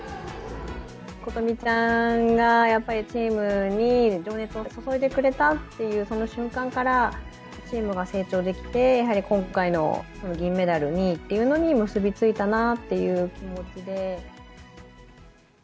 琴美ちゃんが、やっぱりチームに情熱を注いでくれたっていう、その瞬間からチームが成長できて、やはり今回の銀メダルっていうのに結び付いたなっていう気持ちで。